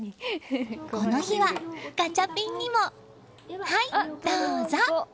この日はガチャピンにもはい、どーぞ！